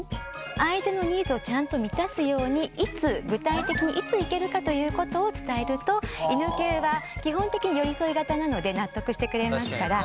相手のニーズをちゃんと満たすようにいつ具体的にいつ行けるかということを伝えると犬系は基本的に寄り添い型なので納得してくれますから。